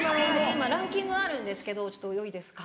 今ランキングあるんですけどちょっとよいですか？